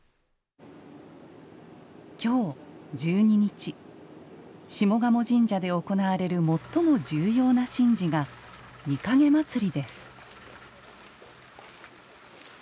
今日１２日下鴨神社で行われる最も重要な神事が御蔭祭です。